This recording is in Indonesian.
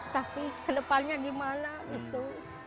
tapi ke depannya gimana gitu